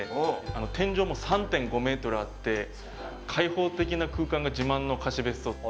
天井も３．５ｍあって開放的な空間が自慢の貸別荘